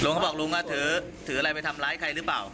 หลวงเขาบอกลุงอ่ะถือถืออะไรไปทำไลค์ใครหรือเปล่า